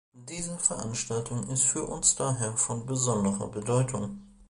Diese Veranstaltung ist für uns daher von besonderer Bedeutung.